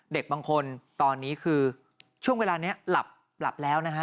เด็กบางคนตอนนี้คือช่วงเวลานี้หลับแล้วนะฮะ